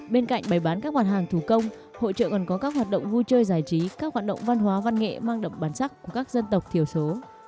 bên cạnh bày bán các mặt hàng thủ công hội trợ còn có các hoạt động vui chơi giải trí các hoạt động văn hóa văn nghệ mang đậm bản sắc của các dân tộc thiểu số